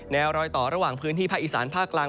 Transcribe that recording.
รอยต่อระหว่างพื้นที่ภาคอีสานภาคกลาง